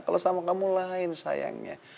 kalau sama kamu lain sayangnya